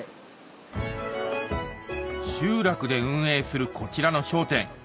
集落で運営するこちらの商店